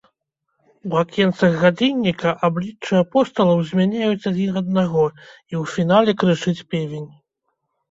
У акенцах гадзінніка абліччы апосталаў змяняюць адзін аднаго, і ў фінале крычыць певень.